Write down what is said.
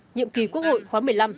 nhiệm kỳ quốc hội khóa một mươi năm